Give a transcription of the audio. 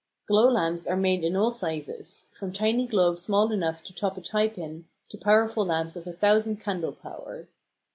Glow lamps are made in all sizes from tiny globes small enough to top a tie pin to powerful lamps of 1000 candle power.